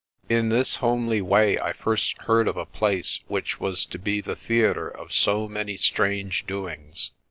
In this homely way I first heard of a place which was to be the theatre of so many strange doings.